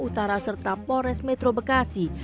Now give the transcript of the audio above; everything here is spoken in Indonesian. utara serta polres metro bekasi